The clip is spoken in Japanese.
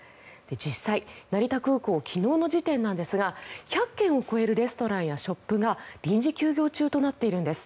実際、成田空港昨日の時点なんですが１００軒を超えるレストランやショップが臨時休業中となっているんです。